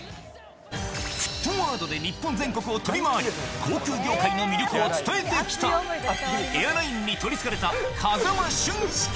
沸騰ワードで日本全国を飛び回り、航空業界の魅力を伝えてきた、エアラインに取りつかれた風間俊介。